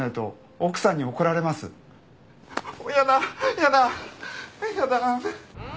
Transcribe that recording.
やだ。